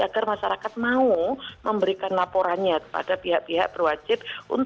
agar masyarakat mau memberikan laporannya kepada pihak pihak berwajib